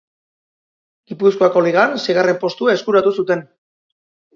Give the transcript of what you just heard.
Gipuzkoako Ligan seigarren postua eskuratu zuten.